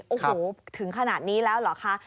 โอ้โหถึงขนาดนี้แล้วเหรอคะ